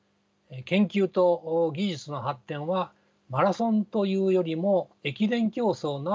研究と技術の発展はマラソンというよりも駅伝競走のようなものでしょう。